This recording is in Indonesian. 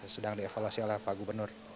sedang dievaluasi oleh pak gubernur